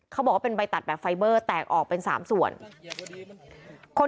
ก็๑๑โมงอะค่ะได้ยินเสียงผู้ตายร้องโหยหวนเลย